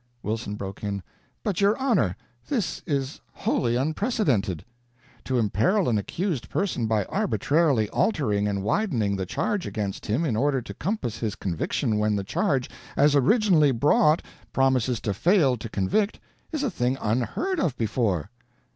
Wilson broke in: "But, your honor! this is wholly unprecedented! To imperil an accused person by arbitrarily altering and widening the charge against him in order to compass his conviction when the charge as originally brought promises to fail to convict, is a thing unheard of before."